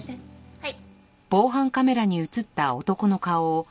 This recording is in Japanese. はい。